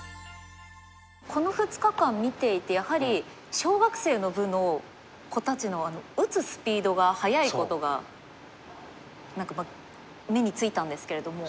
この２日間見ていてやはり小学生の部の子たちの打つスピードが早いことが何か目についたんですけれども。